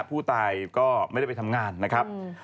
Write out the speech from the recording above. ผู้ตายก็ไม่ได้ไปทำงานนะครับ